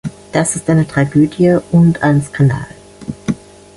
Das ist eine Tragödie und ein Skandal.